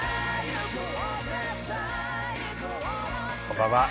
こんばんは。